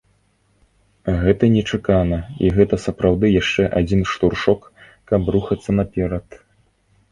Гэта нечакана, і гэта сапраўды яшчэ адзін штуршок, каб рухацца наперад.